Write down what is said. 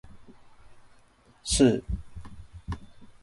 スー